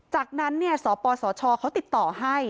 จากนั้นสปสชเขาติดต่อให้